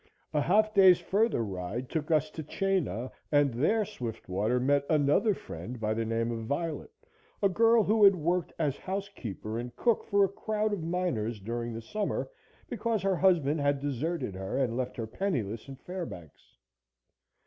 A half day's further ride took us to Chena, and there Swiftwater met another friend by the name of Violet a girl who had worked as housekeeper and cook for a crowd of miners during the summer because her husband had deserted her and left her penniless in Fairbanks.